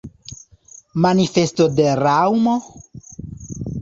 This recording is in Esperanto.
Manifesto de Raŭmo?